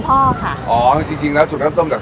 ประกาศรายชื่อพศ๒๕๖๑